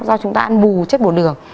do chúng ta ăn bù chất bột đường